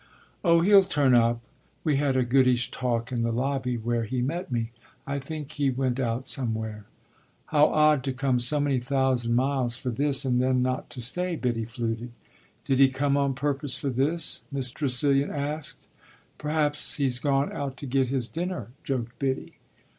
"Oh he'll turn up; we had a goodish talk in the lobby where he met me. I think he went out somewhere." "How odd to come so many thousand miles for this and then not to stay!" Biddy fluted. "Did he come on purpose for this?" Miss Tressilian asked. "Perhaps he's gone out to get his dinner!" joked Biddy.